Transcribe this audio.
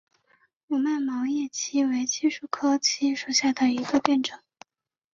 五脉毛叶槭为槭树科槭属下的一个变种。